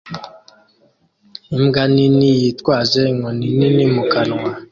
imbwa nini yitwaje inkoni nini mu kanwa